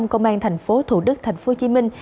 công an thành phố thủ đức thành phố hồ chí minh